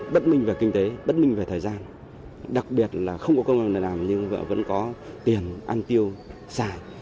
bất minh về kinh tế bất minh về thời gian đặc biệt là không có công nghiệp làm nhưng vẫn có tiền ăn tiêu dài